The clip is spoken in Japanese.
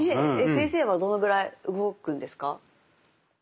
先生はどのぐらい動くんですか？